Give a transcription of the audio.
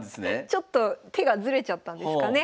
ちょっと手がずれちゃったんですかね。